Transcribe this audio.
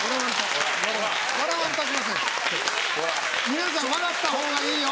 皆さん笑ったほうがいいよ。